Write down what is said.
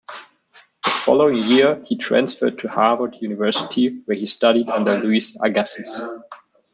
The following year, he transferred to Harvard University, where he studied under Louis Agassiz.